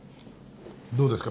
どうですか？